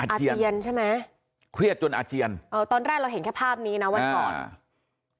อาเจียนใช่ไหมเครียดจนอาเจียนเออตอนแรกเราเห็นแค่ภาพนี้นะวันก่อนอ่า